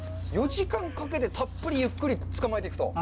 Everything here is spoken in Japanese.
４時間かけてたっぷりゆっくりつかまえていくと。